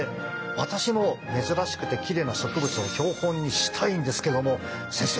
私も珍しくてきれいな植物を標本にしたいんですけども先生